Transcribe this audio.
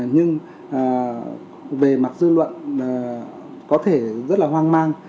nhưng về mặt dư luận có thể rất là hoang mang